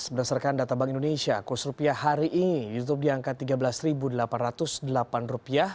berdasarkan data bank indonesia kurs rupiah hari ini diangkat tiga belas delapan ratus delapan rupiah